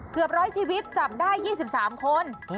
เกือบร้อยชีวิตจับได้๒๓คน